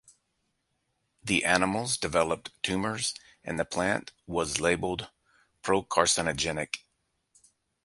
The animals developed tumors, and the plant was labeled procarcinogenic.